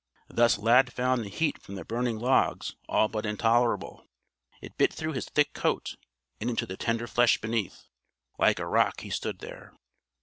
Thus Lad found the heat from the burning logs all but intolerable. It bit through his thick coat and into the tender flesh beneath. Like a rock he stood there.